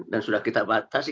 dan sudah kita batasi